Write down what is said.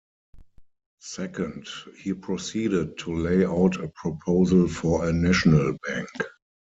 Second, he proceeded to lay out a proposal for a National Bank.